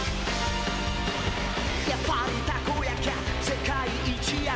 「やっぱりタコ焼きゃ世界一やと」